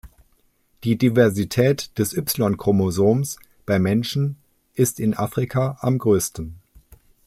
Die Diversität des Y-Chromosoms beim Menschen ist in Afrika am größten.